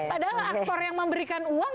adalah aktor yang memberikan uang